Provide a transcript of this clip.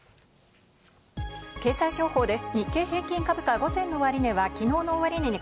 経済情報です。